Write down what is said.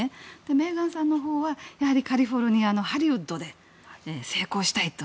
メーガンさんのほうはカリフォルニアのハリウッドで成功したいと。